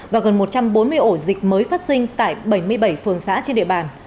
và gần một trăm bốn mươi ổ dịch mới phát sinh tại bảy mươi bảy phường xã trên địa bàn